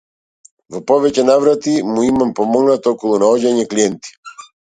Во повеќе наврати му имам помогнато околу наоѓање клиенти.